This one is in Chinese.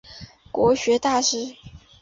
国学大师。